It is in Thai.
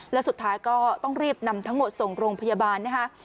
และสุดท้ายก็ต้องรีบนำทั้งหมดส่งโรงพยาบาลนะคะ